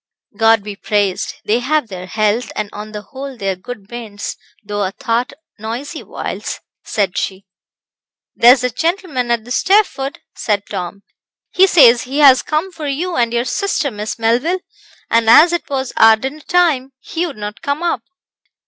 "God be praised, they have their health; and on the whole they are good bairns, though a thought noisy whiles," said she. "There's a gentleman at the stairfoot," said Tom. "He says he has come for you and your sister, Miss Melville, and as it was our dinner time, he would not come up."